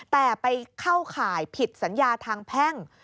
แต่ไปเข้าข่ายผิดสัญญาทางแพ่ง